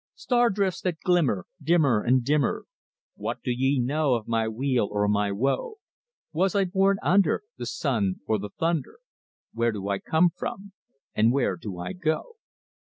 "Star drifts that glimmer Dimmer and dimmer, What do ye know of my weal or my woe? Was I born under The sun or the thunder? What do I come from? and where do I go?